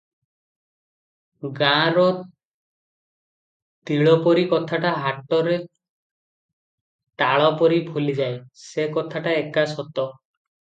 ଗାଁର ତିଳପରି କଥାଟା ହାଟରେ ତାଳପରି ଫୁଲିଯାଏ, ସେ କଥାଟା ଏକା ସତ ।